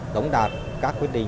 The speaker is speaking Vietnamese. đóng đạt các quyết định